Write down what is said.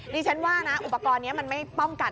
ดิฉันว่านะอุปกรณ์นี้มันไม่ป้องกัน